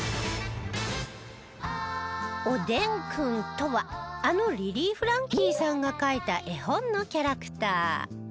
「おでんくん」とはあのリリー・フランキーさんが描いた絵本のキャラクター。